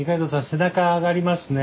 背中上がりますね。